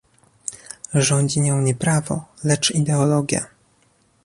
Rządzi nią nie prawo, lecz ideologia